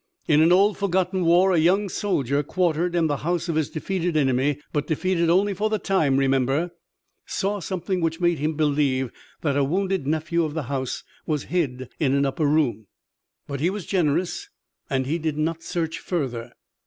In an old, forgotten war a young soldier quartered in the house of his defeated enemy but defeated only for the time, remember saw something which made him believe that a wounded nephew of the house was hid in an upper room. But he was generous and he did not search further.